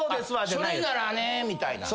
それならねみたいな。